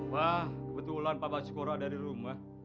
mas kebetulan bapak sikora ada di rumah